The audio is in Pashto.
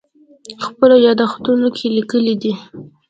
خپلو یادښتونو کې لیکلي دي.